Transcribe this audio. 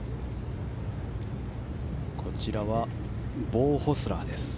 こちらはボウ・ホスラーです。